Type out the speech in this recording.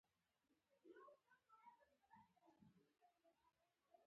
سوله کول خیر دی.